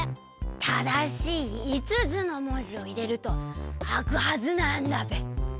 ただしい５つのもじをいれるとあくはずなんだべ。